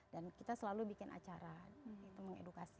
dan kita selalu bikin acara untuk mengedukasi